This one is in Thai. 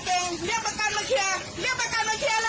เพื่อนชินไทยได้และกลับโต้